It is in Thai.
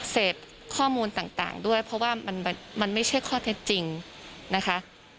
เสพข้อมูลต่างด้วยเพราะว่ามันไม่ใช่ข้อเท็จจริงนะคะ